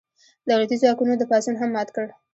دولتي ځواکونو دا پاڅون هم مات کړ.